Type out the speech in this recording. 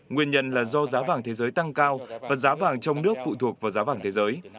nguyên nhân là do giá vàng thế giới tăng cao và giá vàng trong nước phụ thuộc vào giá vàng thế giới